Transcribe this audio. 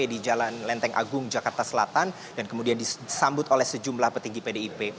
di jalan lenteng agung jakarta selatan dan kemudian disambut oleh sejumlah petinggi pdip